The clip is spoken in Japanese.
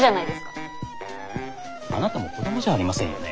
あなたも子供じゃありませんよね？